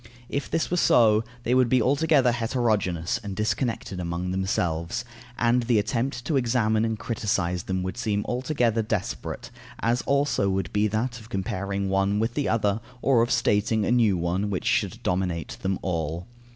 If this were so, they would be altogether heterogeneous and disconnected among themselves, and the attempt to examine and criticize them would seem altogether desperate, as also would be that of comparing one with the other, or of stating a new one, which should dominate them all.